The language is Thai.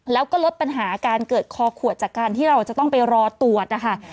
แล้วก็ลดปัญหาการเกิดคอขวดจากการที่เราจะต้องไปรอตรวจนะคะ